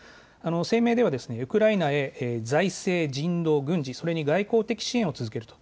声明ではウクライナへ財政、人道、軍事、軍事、それに外向的支援を続けると。